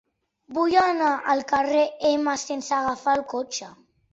Vull anar al carrer Ema sense agafar el cotxe.